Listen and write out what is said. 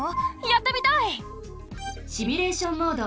シミュレーション・モード。